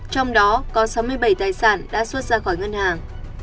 trong đó có sáu mươi bảy tài sản đã xuất ra khỏi ngân hàng